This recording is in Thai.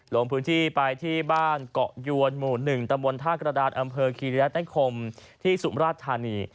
ลงพื้นที่ไปที่บ้านเกาะยวนหมู่๑ตำบลท่ากระดานอำเภอคีริรัฐนิคมที่สุมราชธานี